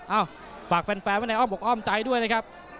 เอ้าฝากแฟนไว้ในอ้อมอกอ้อมใจด้วยนะครับ